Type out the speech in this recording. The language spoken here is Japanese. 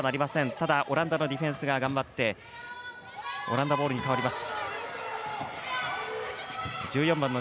ただ、オランダのディフェンスが頑張ってオランダボールにかわります。